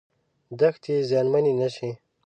دښتې زیانمنې نشي.